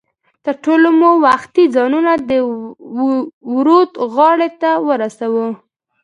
تر ټولو مو وختي ځانونه د ورد غاړې ته ورسو.